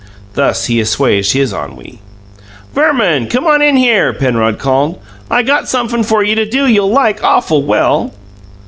Thus he assuaged his ennui. "Verman, come on in here," Penrod called. "I got sumpthing for you to do you'll like awful well."